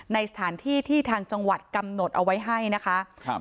ในสถานที่ที่ทางจังหวัดกำหนดเอาไว้ให้นะคะครับ